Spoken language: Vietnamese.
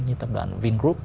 như tập đoàn vingroup